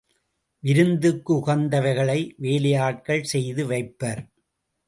விருந்துக்கு உகந்தவைகளை வேலையாட்கள் செய்து வைப்பர்.